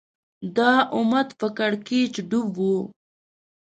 دا امت په کړکېچ ډوب و